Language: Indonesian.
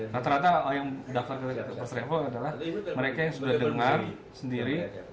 rata rata yang daftar ke first travel adalah mereka yang sudah dengar sendiri